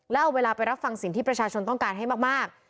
แล้วเอาเวลาไปรับฟังสิ่งที่ประชาชนต้องการให้มาก